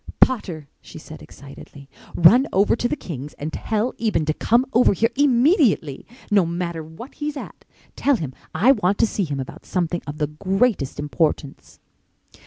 "Potter," she said, excitedly, "run over to the Kings' and tell Eben to come over here immediately—no matter what he's at. Tell him I want to see him about something of the greatest importance."